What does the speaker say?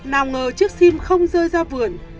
nào ngờ chiếc sim không rơi ra vườn